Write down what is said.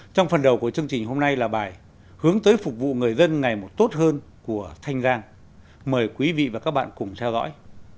trong phần đầu của chương trình hôm nay là bài hướng tới phục vụ người dân ngày một tốt hơn của thanh giang mời quý vị và các bạn cùng theo dõi